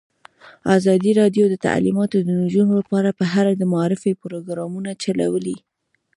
ازادي راډیو د تعلیمات د نجونو لپاره په اړه د معارفې پروګرامونه چلولي.